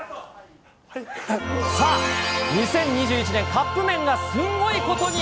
さあ、２０２１年、カップ麺が、すんごいことに。